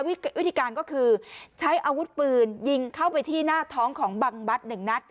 วิธีการก็คือใช้อาวุธปืนยิงเข้าไปที่หน้าท้องของบังบัตรหนึ่งนัด